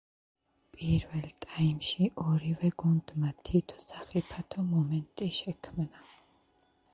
პირველ ტაიმში ორივე გუნდმა თითო სახიფათო მომენტი შექმნა.